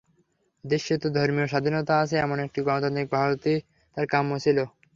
দৃশ্যত ধর্মীয় স্বাধীনতা আছে, এমন একটি গণতান্ত্রিক ভারতই তাঁর কাম্য ছিল।